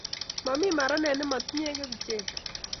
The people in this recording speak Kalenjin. momi maranet nemotinyei kibichek